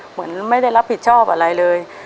เหมือนไม่ได้รับผิดชอบอะไรเลย